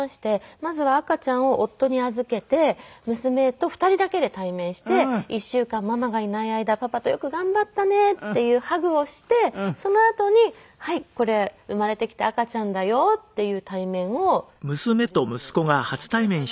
まずは赤ちゃんを夫に預けて娘と２人だけで対面して１週間ママがいない間パパとよく頑張ったねっていうハグをしてそのあとにはいこれ生まれてきた赤ちゃんだよっていう対面をするようにしました。